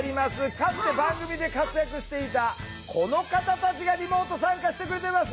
かつて番組で活躍していたこの方たちがリモート参加してくれています。